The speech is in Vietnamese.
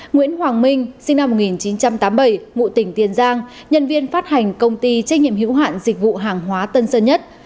nguyễn hoàng minh sinh năm một nghìn chín trăm tám mươi bảy ngụ tỉnh tiền giang nhân viên phát hành công ty trách nhiệm hữu hạn dịch vụ hàng hóa tân sơn nhất